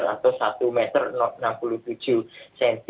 atau satu meter enam puluh tujuh cm